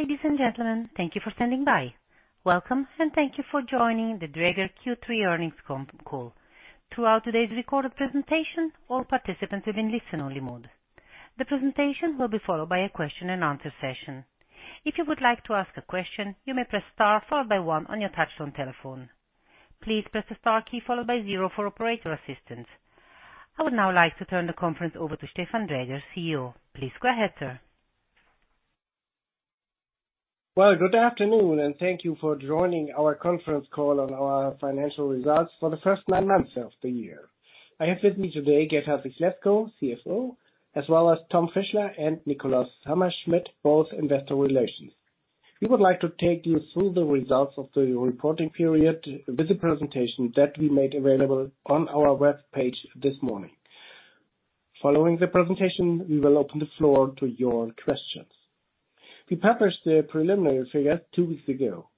Ladies and gentlemen, thank you for standing by. Welcome, and thank you for joining the Dräger Q3 earnings call. Throughout today's recorded presentation, all participants will be in listen-only mode. The presentation will be followed by a question and answer session. If you would like to ask a question, you may press star followed by one on your touchtone telephone. Please press the star key followed by zero for operator assistance. I would now like to turn the conference over to Stefan Dräger, CEO. Please go ahead, sir. Well, good afternoon, and thank you for joining our conference call on our financial results for the first nine months of the year. I have with me today, Gert-Hartwig Lescow, CFO, as well as Thomas Fischler and Nikolaus Hammerschmidt, both investor relations. We would like to take you through the results of the reporting period with the presentation that we made available on our webpage this morning. Following the presentation, we will open the floor to your questions. We published the preliminary figures two weeks ago.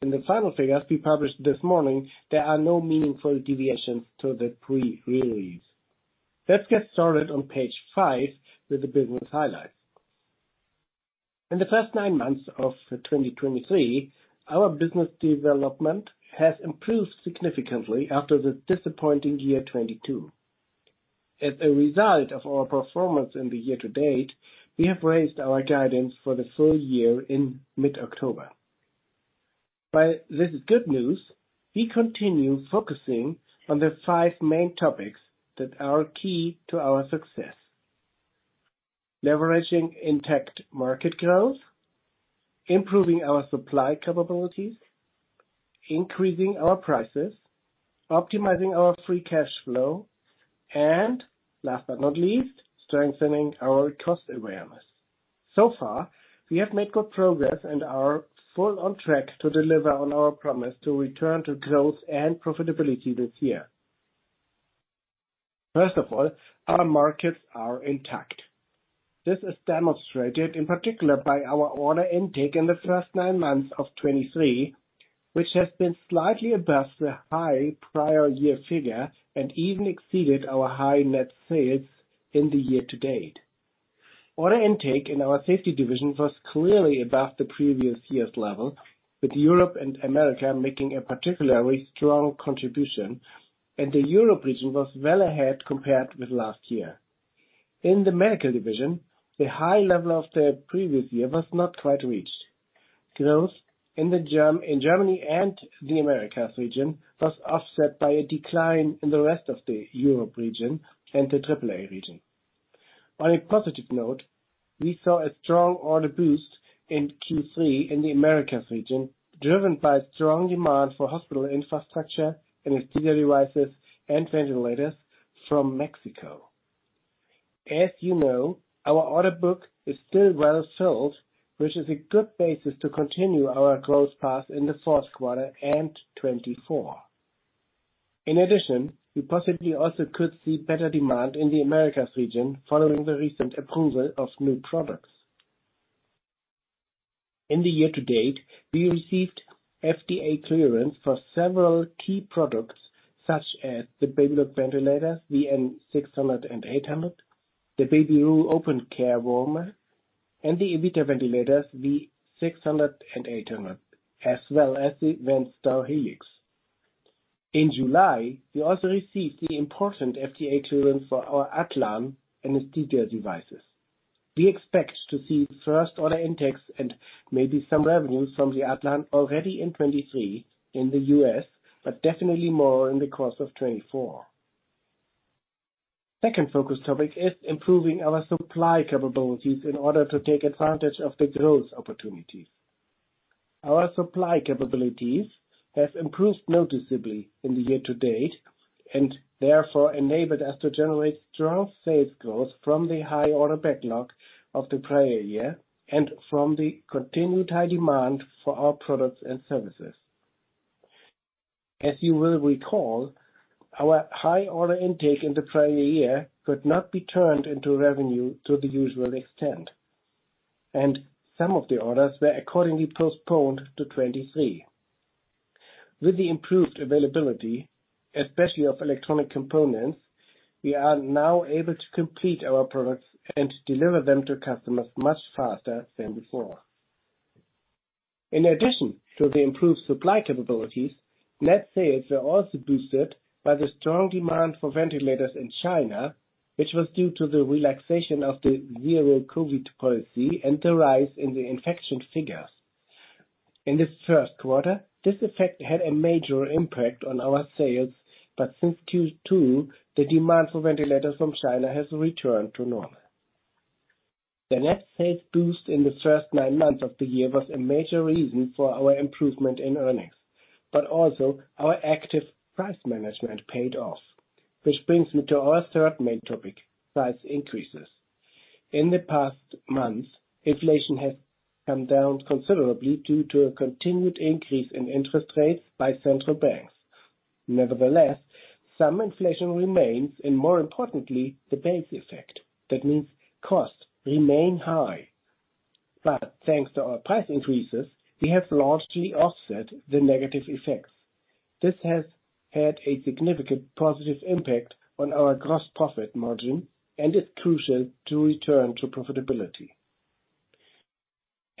In the final figures we published this morning, there are no meaningful deviations to the pre-release. Let's get started on page five with the business highlights. In the first nine months of 2023, our business development has improved significantly after the disappointing year 2022. As a result of our performance in the year to date, we have raised our guidance for the full year in mid-October. While this is good news, we continue focusing on the five main topics that are key to our success: leveraging intact market growth, improving our supply capabilities, increasing our prices, optimizing our free cash flow, and last but not least, strengthening our cost awareness. So far, we have made good progress and are fully on track to deliver on our promise to return to growth and profitability this year. First of all, our markets are intact. This is demonstrated in particular by our order intake in the first nine months of 2023, which has been slightly above the high prior year figure and even exceeded our high net sales in the year to date. Order intake in our safety division was clearly above the previous year's level, with Europe and Americas making a particularly strong contribution, and the Europe region was well ahead compared with last year. In the medical division, the high level of the previous year was not quite reached. Growth in Germany and the Americas region was offset by a decline in the rest of the Europe region and the AAA region. On a positive note, we saw a strong order boost in Q3 in the Americas region, driven by strong demand for hospital infrastructure, anesthesia devices, and ventilators from Mexico. As you know, our order book is still well filled, which is a good basis to continue our growth path in the fourth quarter and 2024. In addition, we possibly also could see better demand in the Americas region following the recent approval of new products. In the year to date, we received FDA clearance for several key products, such as the Babylog ventilators VN 600 and 800, the Babyleo open care warmer, and the Evita ventilators, V 600 and 800, as well as the VentStar Helix. In July, we also received the important FDA clearance for our Atlan anesthesia devices. We expect to see first order intakes and maybe some revenues from the Atlan already in 2023 in the U.S., but definitely more in the course of 2024. Second focus topic is improving our supply capabilities in order to take advantage of the growth opportunities. Our supply capabilities have improved noticeably in the year to date and therefore enabled us to generate strong sales growth from the high order backlog of the prior year and from the continued high demand for our products and services. As you will recall, our high order intake in the prior year could not be turned into revenue to the usual extent, and some of the orders were accordingly postponed to 2023. With the improved availability, especially of electronic components, we are now able to complete our products and deliver them to customers much faster than before. In addition to the improved supply capabilities, net sales are also boosted by the strong demand for ventilators in China, which was due to the relaxation of the Zero-COVID policy and the rise in the infection figures. In the first quarter, this effect had a major impact on our sales, but since Q2, the demand for ventilators from China has returned to normal. The net sales boost in the first nine months of the year was a major reason for our improvement in earnings, but also our active price management paid off, which brings me to our third main topic, price increases. In the past months, inflation has come down considerably due to a continued increase in interest rates by central banks. Nevertheless, some inflation remains, and more importantly, the base effect. That means costs remain high. But thanks to our price increases, we have largely offset the negative effects. This has had a significant positive impact on our gross profit margin and is crucial to return to profitability.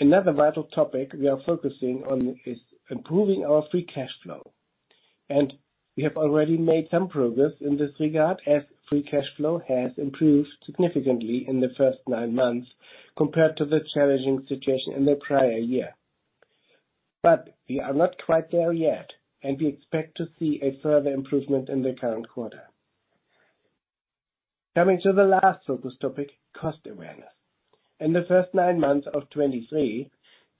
Another vital topic we are focusing on is improving our free cash flow, and we have already made some progress in this regard, as free cash flow has improved significantly in the first nine months compared to the challenging situation in the prior year. But we are not quite there yet, and we expect to see a further improvement in the current quarter. Coming to the last focus topic, cost awareness. In the first nine months of 2023,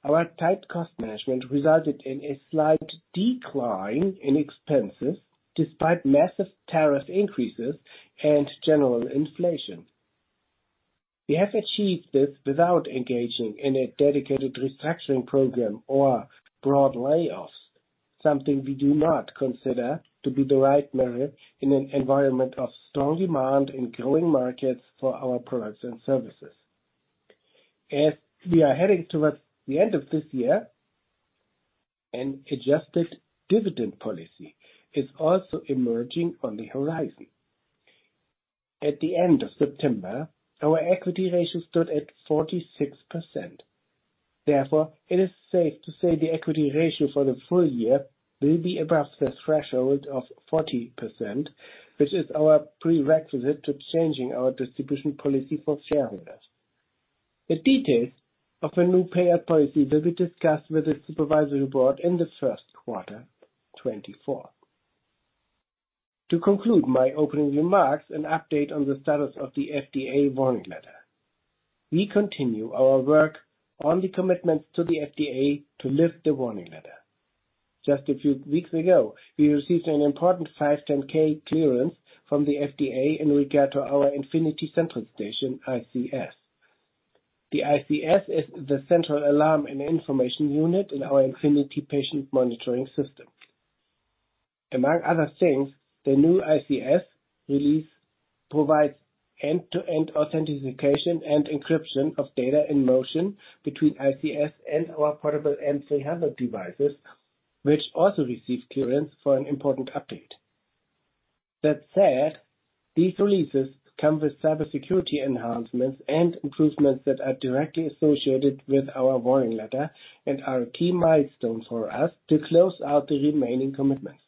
our tight cost management resulted in a slight decline in expenses, despite massive tariff increases and general inflation. We have achieved this without engaging in a dedicated restructuring program or broad layoffs, something we do not consider to be the right measure in an environment of strong demand in growing markets for our products and services. As we are heading towards the end of this year, an adjusted dividend policy is also emerging on the horizon. At the end of September, our equity ratio stood at 46%. Therefore, it is safe to say the equity ratio for the full year will be above the threshold of 40%, which is our prerequisite to changing our distribution policy for shareholders. The details of a new payout policy will be discussed with the supervisory board in the first quarter 2024. To conclude my opening remarks, an update on the status of the FDA warning letter. We continue our work on the commitments to the FDA to lift the warning letter. Just a few weeks ago, we received an important 510(k) clearance from the FDA in regard to our Infinity Central Station (ICS). The ICS is the central alarm and information unit in our Infinity patient monitoring system. Among other things, the new ICS release provides end-to-end authentication and encryption of data in motion between ICS and our portable MC hazard devices, which also received clearance for an important update. That said, these releases come with cybersecurity enhancements and improvements that are directly associated with our warning letter and are a key milestone for us to close out the remaining commitments.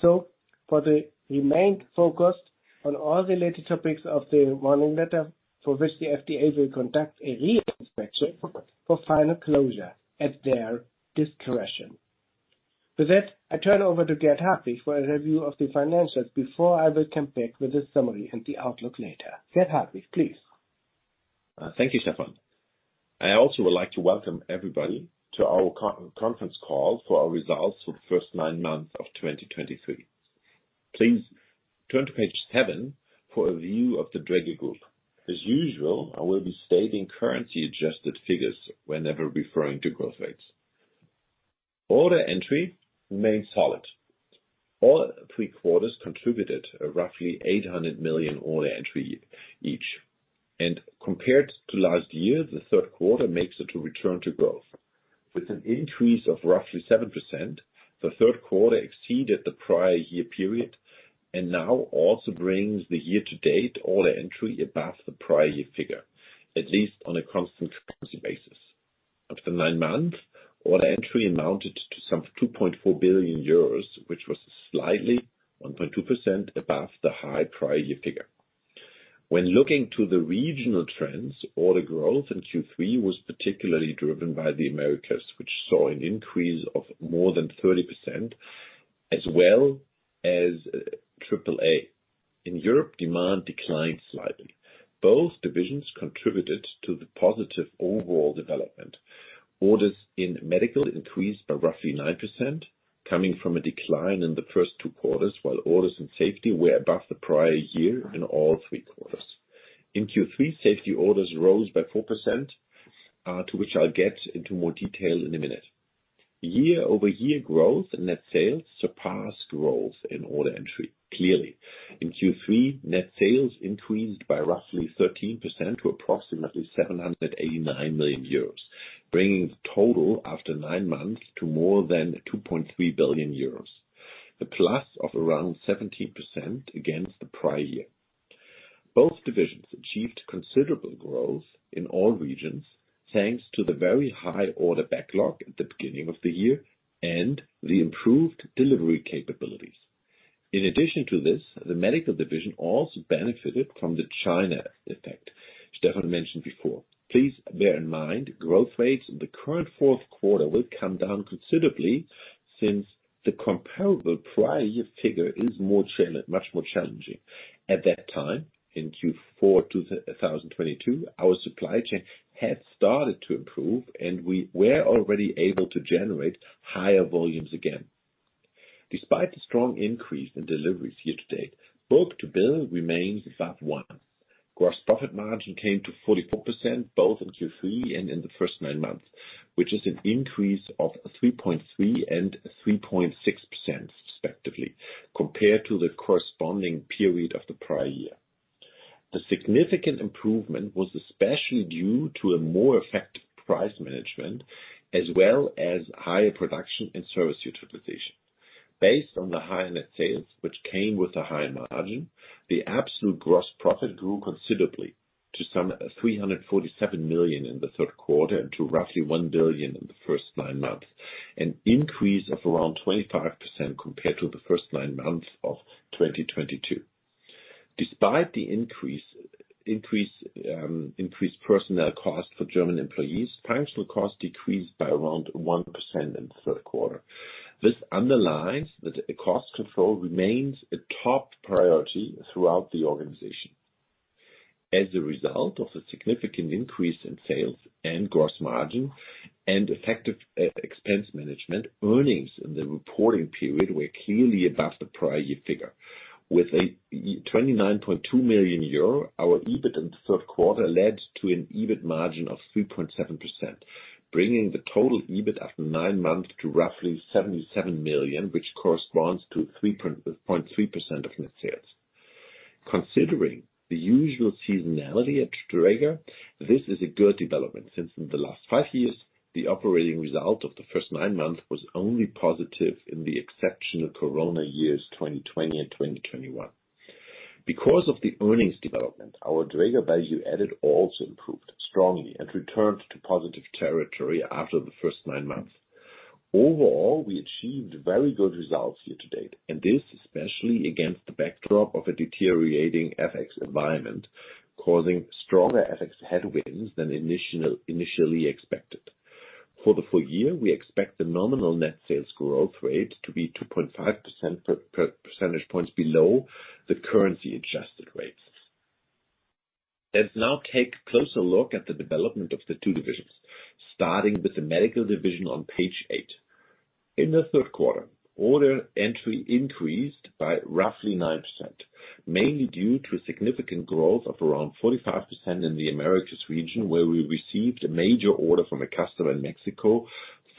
So we remain focused on all related topics of the warning letter, for which the FDA will conduct a re-inspection for final closure at their discretion. With that, I turn over to Gert-Hartwig for a review of the financials before I will come back with a summary and the outlook later. Gert-Hartwig, please. Thank you, Stefan. I also would like to welcome everybody to our conference call for our results for the first nine months of 2023. Please turn to page seven for a view of the Dräger Group. As usual, I will be stating currency-adjusted figures whenever referring to growth rates. Order entry remains solid. All three quarters contributed a roughly 800 million order entry each, and compared to last year, the third quarter makes it a return to growth. With an increase of roughly 7%, the third quarter exceeded the prior year period and now also brings the year-to-date order entry above the prior year figure, at least on a constant currency basis. After nine months, order entry amounted to some 2.4 billion euros, which was slightly, 1.2%, above the high prior year figure. When looking to the regional trends, order growth in Q3 was particularly driven by the Americas, which saw an increase of more than 30%, as well as AAA. In Europe, demand declined slightly. Both divisions contributed to the positive overall development. Orders in medical increased by roughly 9%, coming from a decline in the first two quarters, while orders in safety were above the prior year in all three quarters. In Q3, safety orders rose by 4%, to which I'll get into more detail in a minute. Year-over-year growth in net sales surpassed growth in order entry, clearly. In Q3, net sales increased by roughly 13% to approximately 789 million euros, bringing the total after nine months to more than 2.3 billion euros, a plus of around 17% against the prior year. Both divisions achieved considerable growth in all regions, thanks to the very high order backlog at the beginning of the year and the improved delivery capabilities. In addition to this, the medical division also benefited from the China effect Stefan mentioned before. Please bear in mind, growth rates in the current fourth quarter will come down considerably since the comparable prior year figure is much more challenging. At that time, in Q4, 2022, our supply chain had started to improve, and we were already able to generate higher volumes again. Despite the strong increase in deliveries year to date, book-to-bill remains above one. Gross profit margin came to 44%, both in Q3 and in the first nine months, which is an increase of 3.3% and 3.6% respectively, compared to the corresponding period of the prior year. The significant improvement was especially due to a more effective price management, as well as higher production and service utilization. Based on the high net sales, which came with a high margin, the absolute gross profit grew considerably to some 347 million in the third quarter and to roughly 1 billion in the first nine months, an increase of around 25% compared to the first nine months of 2022. Despite the increased personnel costs for German employees, financial costs decreased by around 1% in the third quarter. This underlines that cost control remains a top priority throughout the organization. As a result of the significant increase in sales and gross margin and effective expense management, earnings in the reporting period were clearly above the prior year figure. With 29.2 million euro, our EBIT in the third quarter led to an EBIT margin of 3.7%, bringing the total EBIT after nine months to roughly 77 million, which corresponds to 3.3% of net sales. Considering the usual seasonality at Dräger, this is a good development since in the last five years, the operating result of the first nine months was only positive in the exceptional Corona years, 2020 and 2021. Because of the earnings development, our Dräger Value Added also improved strongly and returned to positive territory after the first nine months. Overall, we achieved very good results year to date, and this, especially against the backdrop of a deteriorating FX environment, causing stronger FX headwinds than initially expected. For the full year, we expect the nominal net sales growth rate to be 2.5 percentage points below the currency-adjusted rates. Let's now take a closer look at the development of the two divisions, starting with the medical division on page eight. In the third quarter, order entry increased by roughly 9%, mainly due to significant growth of around 45% in the Americas region, where we received a major order from a customer in Mexico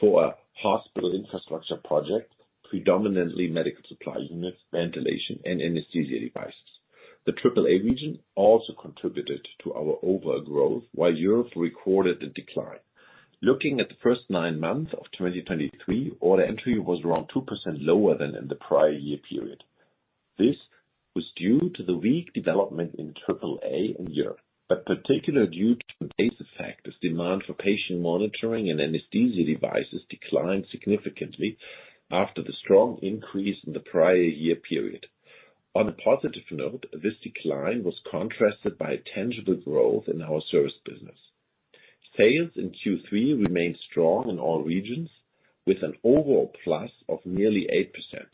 for a hospital infrastructure project, predominantly medical supply units, ventilation, and anesthesia devices. The AAA region also contributed to our overall growth, while Europe recorded a decline. Looking at the first nine months of 2023, order entry was around 2% lower than in the prior year period. This was due to the weak development in AAA and Europe, but particularly due to base effect, as demand for patient monitoring and anesthesia devices declined significantly after the strong increase in the prior year period. On a positive note, this decline was contrasted by tangible growth in our service business. Sales in Q3 remained strong in all regions, with an overall plus of nearly 8%.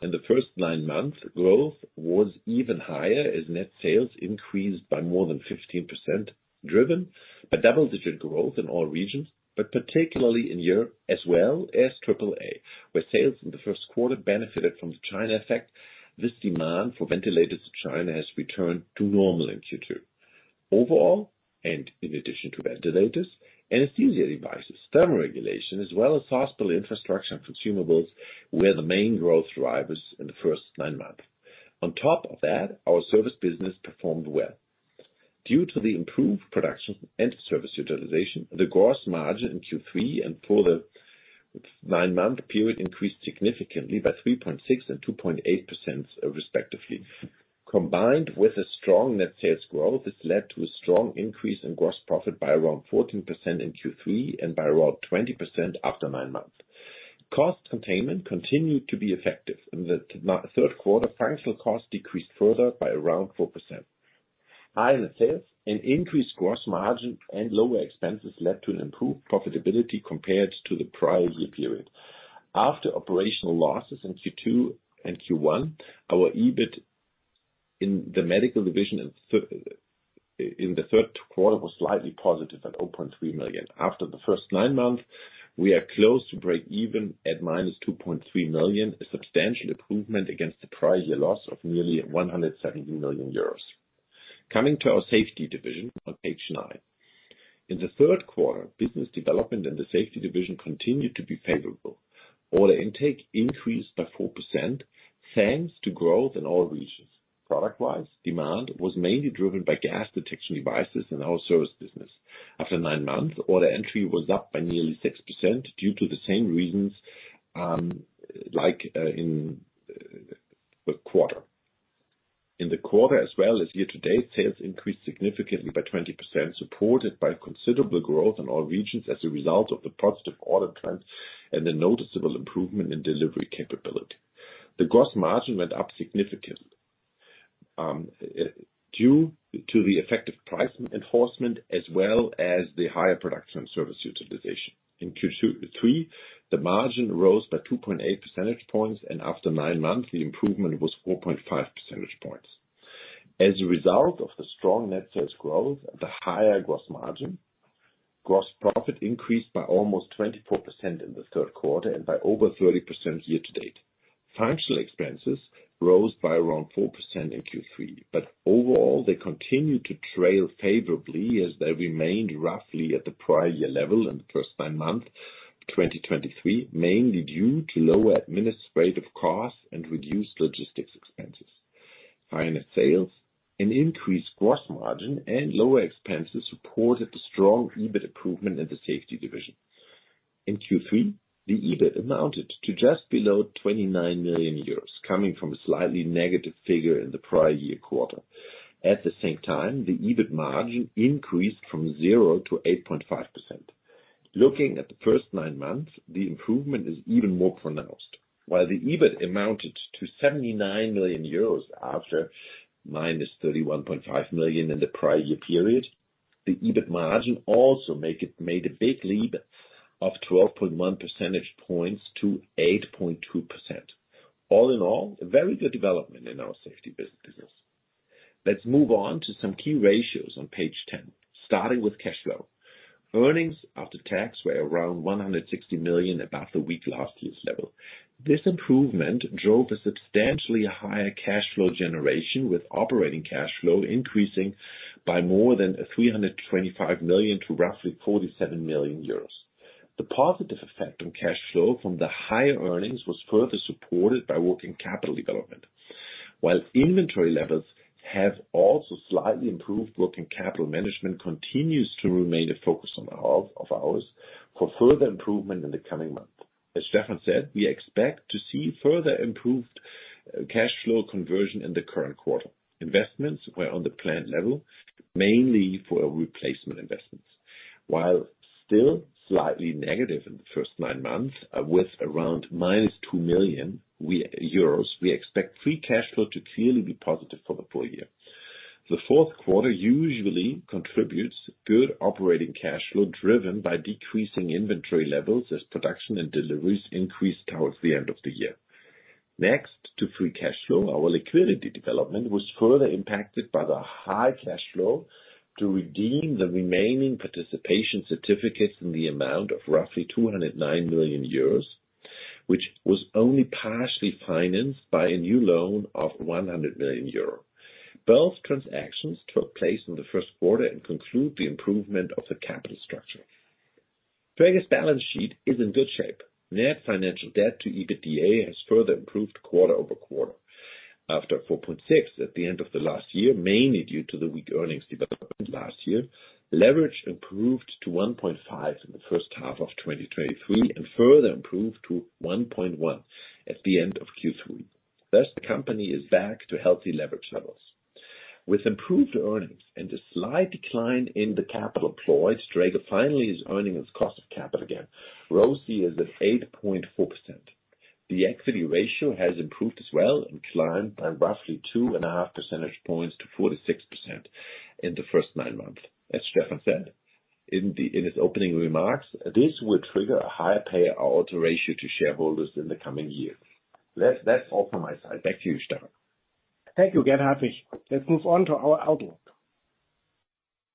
In the first nine months, growth was even higher, as net sales increased by more than 15%, driven by double-digit growth in all regions, but particularly in Europe as well as AAA, where sales in the first quarter benefited from the China effect. This demand for ventilators to China has returned to normal in Q2. Overall, and in addition to ventilators, anesthesia devices, thermal regulation, as well as hospital infrastructure and consumables, were the main growth drivers in the first nine months. On top of that, our service business performed well. Due to the improved production and service utilization, the gross margin in Q3 and for the nine-month period increased significantly by 3.6% and 2.8%, respectively. Combined with a strong net sales growth, this led to a strong increase in gross profit by around 14% in Q3 and by around 20% after nine months. Cost containment continued to be effective. In the third quarter, financial costs decreased further by around 4%. Higher net sales and increased gross margin and lower expenses led to an improved profitability compared to the prior year period. After operational losses in Q2 and Q1, our EBIT in the medical division in the third quarter was slightly positive at 0.3 million. After the first nine months, we are close to break even at -2.3 million, a substantial improvement against the prior year loss of nearly 170 million euros. Coming to our safety division on page nine. In the third quarter, business development in the safety division continued to be favorable. Order intake increased by 4%, thanks to growth in all regions. Product-wise, demand was mainly driven by gas detection devices in our service business. After nine months, order entry was up by nearly 6% due to the same reasons, like, in the quarter. In the quarter as well as year to date, sales increased significantly by 20%, supported by considerable growth in all regions as a result of the positive order trends and the noticeable improvement in delivery capability. The gross margin went up significantly due to the effective price enforcement as well as the higher production and service utilization. In Q3, the margin rose by 2.8 percentage points, and after nine months, the improvement was 4.5 percentage points. As a result of the strong net sales growth, the higher gross margin, gross profit increased by almost 24% in the third quarter and by over 30% year to date. Functional expenses rose by around 4% in Q3, but overall, they continued to trail favorably as they remained roughly at the prior year level in the first nine months 2023, mainly due to lower administrative costs and reduced logistics expenses. Higher sales and increased gross margin and lower expenses supported the strong EBIT improvement in the safety division. In Q3, the EBIT amounted to just below 29 million euros, coming from a slightly negative figure in the prior year quarter. At the same time, the EBIT margin increased from 0% to 8.5%. Looking at the first nine months, the improvement is even more pronounced. While the EBIT amounted to 79 million euros after -31.5 million in the prior year period, the EBIT margin also made a big leap of 12.1 percentage points to 8.2%. All in all, a very good development in our safety business. Let's move on to some key ratios on page 10, starting with cash flow. Earnings after tax were around 160 million, about the same last year's level. This improvement drove a substantially higher cash flow generation, with operating cash flow increasing by more than 325 million to roughly 47 million euros. The positive effect on cash flow from the higher earnings was further supported by working capital development. While inventory levels have also slightly improved, working capital management continues to remain a focus of ours for further improvement in the coming months. As Stefan said, we expect to see further improved cash flow conversion in the current quarter. Investments were on the planned level, mainly for replacement investments. While still slightly negative in the first nine months, with around -2 million euros, we expect free cash flow to clearly be positive for the full year. The fourth quarter usually contributes good operating cash flow, driven by decreasing inventory levels as production and deliveries increase towards the end of the year. Next to free cash flow, our liquidity development was further impacted by the high cash flow to redeem the remaining participation certificates in the amount of roughly 209 million euros, which was only partially financed by a new loan of 100 million euros. Both transactions took place in the first quarter and conclude the improvement of the capital structure. Dräger's balance sheet is in good shape. Net financial debt to EBITDA has further improved quarter-over-quarter. After 4.6 at the end of the last year, mainly due to the weak earnings development last year, leverage improved to 1.5 in the first half of 2023, and further improved to 1.1 at the end of Q3. Thus, the company is back to healthy leverage levels. With improved earnings and a slight decline in the capital employed, Dräger finally is earning its cost of capital again. ROCE is at 8.4%. The equity ratio has improved as well and climbed by roughly 2.5 percentage points to 46% in the first nine months. As Stefan said, in his opening remarks, this will trigger a higher payout ratio to shareholders in the coming years. That's all from my side. Back to you, Stefan. Thank you, Gert-Hartwig Lescow. Let's move on to our outlook.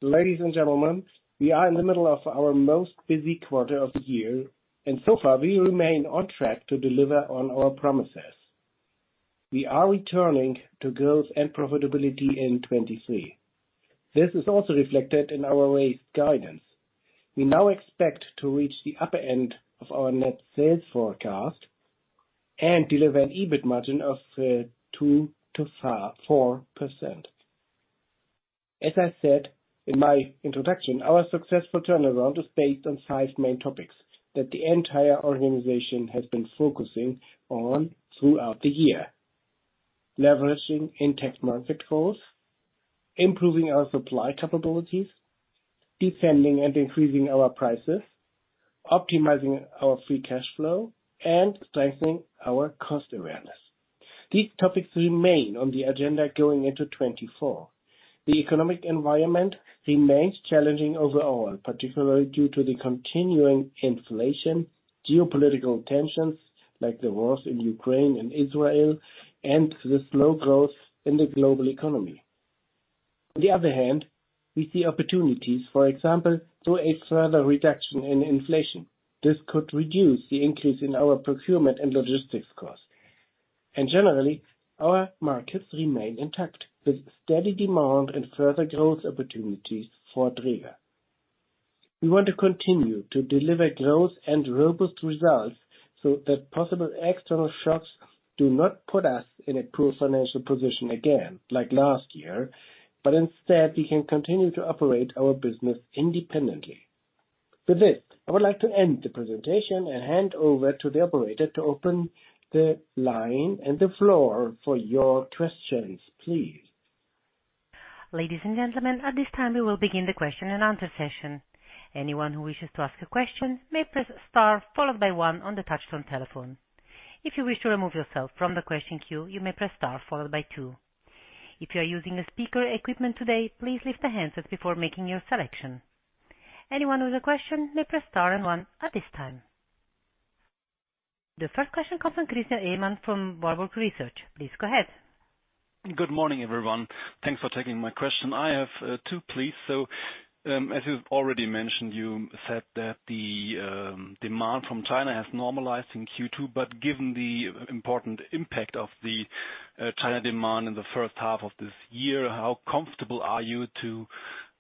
Ladies and gentlemen, we are in the middle of our most busy quarter of the year, and so far, we remain on track to deliver on our promises. We are returning to growth and profitability in 2023. This is also reflected in our raised guidance. We now expect to reach the upper end of our net sales forecast and deliver an EBIT margin of 2%-4%. As I said in my introduction, our successful turnaround is based on five main topics that the entire organization has been focusing on throughout the year: leveraging intact market growth, improving our supply capabilities, defending and increasing our prices, optimizing our free cash flow, and strengthening our cost awareness. These topics remain on the agenda going into 2024. The economic environment remains challenging overall, particularly due to the continuing inflation, geopolitical tensions, like the wars in Ukraine and Israel, and the slow growth in the global economy. On the other hand, we see opportunities, for example, through a further reduction in inflation. This could reduce the increase in our procurement and logistics costs. Generally, our markets remain intact, with steady demand and further growth opportunities for Dräger. We want to continue to deliver growth and robust results so that possible external shocks do not put us in a poor financial position again, like last year, but instead, we can continue to operate our business independently. With this, I would like to end the presentation and hand over to the operator to open the line and the floor for your questions, please. Ladies and gentlemen, at this time, we will begin the question-and-answer session. Anyone who wishes to ask a question may press star followed by one on the touchtone telephone. If you wish to remove yourself from the question queue, you may press star followed by two. If you are using speaker equipment today, please lift the handset before making your selection. Anyone with a question may press star and one at this time. The first question comes from Christian Ehmann from Warburg Research. Please go ahead. Good morning, everyone. Thanks for taking my question. I have two, please. So, as you've already mentioned, you said that the demand from China has normalized in Q2, but given the important impact of the China demand in the first half of this year, how comfortable are you to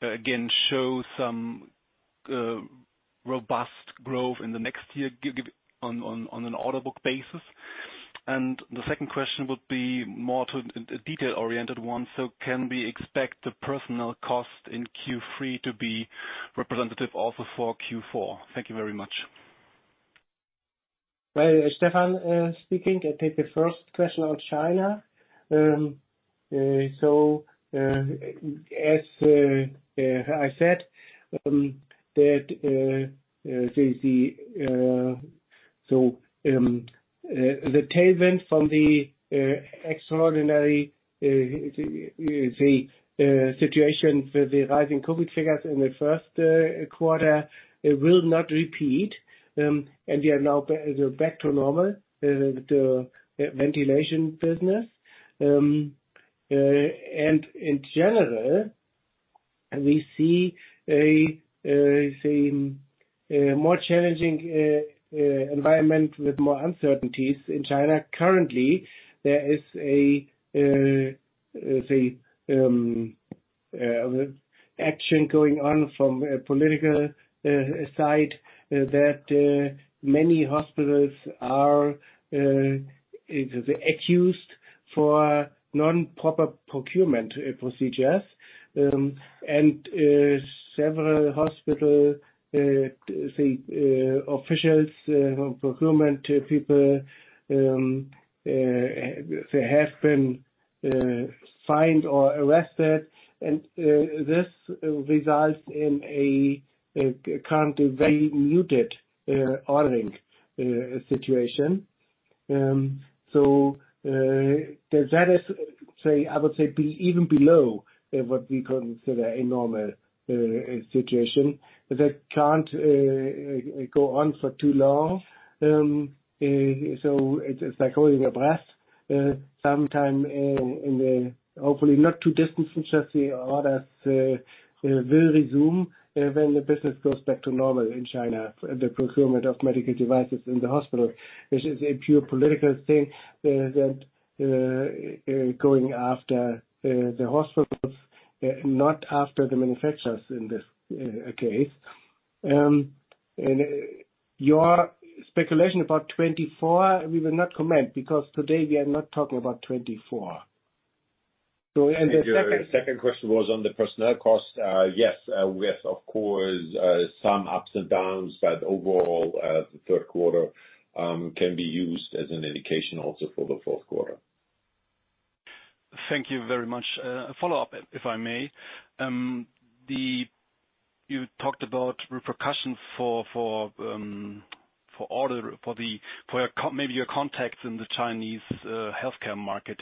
again show some robust growth in the next year, given on an order book basis? And the second question would be more to a detail-oriented one. So can we expect the personnel cost in Q3 to be representative also for Q4? Thank you very much. Well, Stefan, speaking, I take the first question on China. So, as I said, the tailwind from the extraordinary situation with the rising COVID figures in the first quarter, it will not repeat. And we are now back to normal, the ventilation business. And in general, we see, say, a more challenging environment with more uncertainties in China. Currently, there is, say, a action going on from a political side, that many hospitals are accused for non-proper procurement procedures. And several hospital officials, procurement people, they have been fined or arrested, and this results in a currently very muted ordering situation. So that is, I would say, even below what we consider a normal situation, that can't go on for too long. So it's like holding your breath sometime in the hopefully not too distant future, the orders will resume when the business goes back to normal in China, the procurement of medical devices in the hospital. This is a pure political thing, going after the hospitals, not after the manufacturers in this case. And your speculation about 2024, we will not comment, because today we are not talking about 2024. So, and the second. The second question was on the personnel cost. Yes, we have, of course, some ups and downs, but overall, the third quarter can be used as an indication also for the fourth quarter. Thank you very much. A follow-up, if I may. You talked about repercussions for your contacts in the Chinese healthcare market.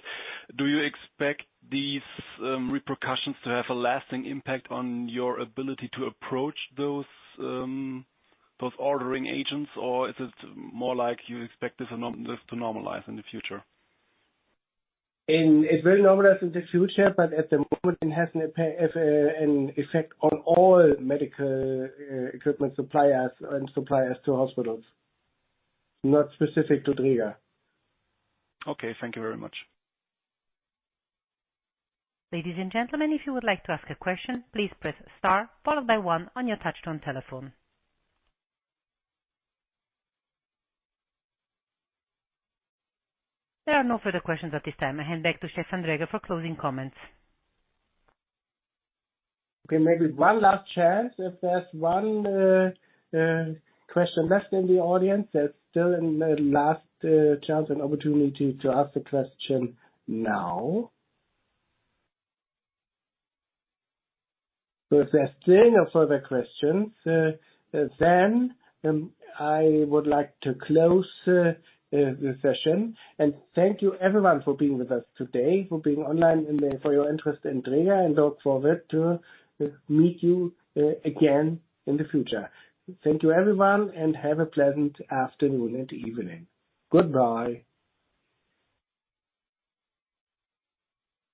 Do you expect these repercussions to have a lasting impact on your ability to approach those ordering agents, or is it more like you expect this to normalize in the future? It will normalize in the future, but at the moment, it has an effect on all medical equipment suppliers and suppliers to hospitals, not specific to Dräger. Okay, thank you very much. Ladies and gentlemen, if you would like to ask a question, please press star followed by one on your touchtone telephone. There are no further questions at this time. I hand back to Stefan Dräger for closing comments. Okay, maybe one last chance. If there's one, question left in the audience, there's still a last, chance and opportunity to ask the question now. So if there are still no further questions, then, I would like to close, the session. And thank you everyone for being with us today, for being online and for your interest in Dräger, and look forward to, meet you, again in the future. Thank you, everyone, and have a pleasant afternoon and evening. Goodbye.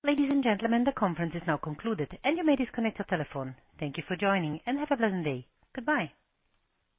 Ladies and gentlemen, the conference is now concluded and you may disconnect your telephone. Thank you for joining and have a pleasant day. Goodbye.